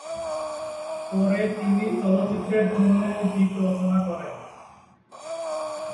পরে তিনি চলচ্চিত্রের জন্যেও গীত রচনা করেন।